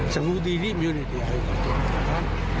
สังหุดีริมอยู่ในที่ไหนอาหารดีริม